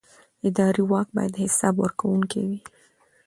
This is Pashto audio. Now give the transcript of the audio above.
اداري واک باید حساب ورکوونکی وي.